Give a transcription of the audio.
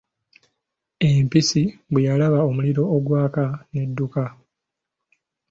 Empisi bwe yalaba omuliro ogwaka n'edduka.